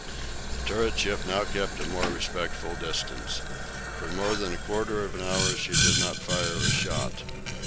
The turret ship now kept a more respectful distance. For more than a quarter of an hour she did not fire a shot.